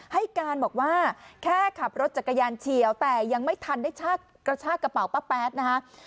ให้การบอกว่าแค่ขับรถจักรยานเฉียวแต่ยังไม่ทันได้กระชากระเป๋าป้าแป๊ดนะคะ